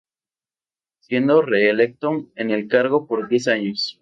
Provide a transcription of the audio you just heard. Siendo reelecto en el cargo por diez años.